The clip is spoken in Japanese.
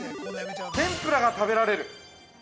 天ぷらが食べられる。